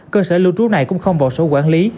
cơ sở lưu trú này cũng không bỏ số quản lý